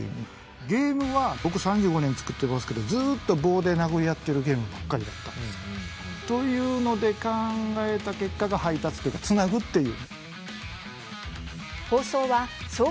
ゲームは僕、３５年作ってますけどずっと棒で殴り合ってるゲームばっかりだったんですよ。というので考えた結果が配達というか、つなぐっていう。